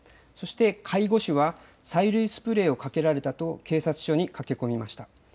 そして介護士は催涙スプレーをかけられたと警察署に駆け込みました。